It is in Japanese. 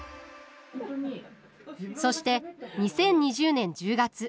そして２０２０年１０月。